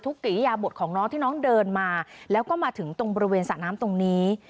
กิริยาบทของน้องที่น้องเดินมาแล้วก็มาถึงตรงบริเวณสระน้ำตรงนี้